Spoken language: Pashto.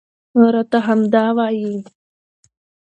راته همدا وايي